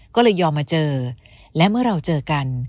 ก็เลยยอมมาเจอและเมื่อเราเจอกัน